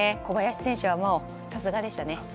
小林選手はさすがでしたね。